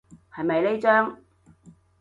係咪呢張？